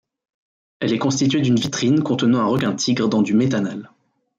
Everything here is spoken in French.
Elle est constituée d'une vitrine contenant un requin tigre dans du méthanal.